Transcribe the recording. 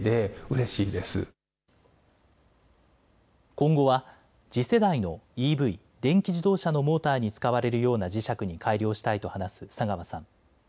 今後は次世代のＥＶ・電気自動車のモーターに使われるような磁石に改良したいと話す佐川さん。